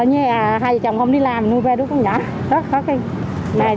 hai vợ chồng không đi làm nuôi ba đứa con nhỏ rất khó khăn